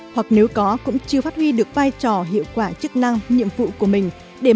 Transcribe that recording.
hoặc nếu có cũng chưa phát huy được vai trò hiệu quả chức năng nhiệm vụ của mình